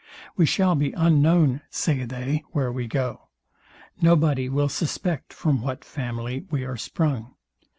We shall be unknown, say they, where we go. No body will suspect from what family we are sprung.